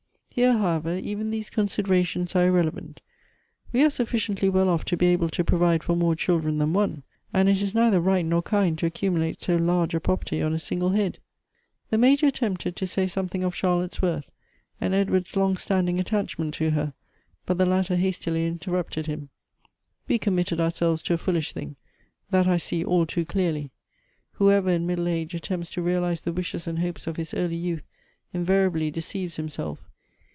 Here, however, even these considerations are irrelevant ; we are sufficiently well off to be able to pro vide for more children than one, and it is neither right nor kind to accumulate so large a property on a single head." The Major attempted to say something of Charlotte's worth, and Edward's long standing attachment to her; but the latter hastily interrupted him. " We committed frselves to a foolish thing, that I see all too clearly, hoever, in middle age, attempts to realize the wishes and hopes of his early youth, invariably deceives himself.